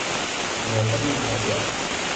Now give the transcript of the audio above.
你又不願吃藥